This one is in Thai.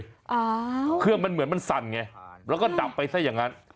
อ้าวเครื่องมันเหมือนมันสั่นไงแล้วก็ดับไปซะอย่างนั้น